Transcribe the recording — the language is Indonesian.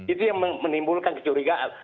itu yang menimbulkan kecurigaan